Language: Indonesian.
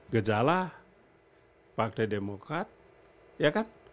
gejala pak t demokrat iya kan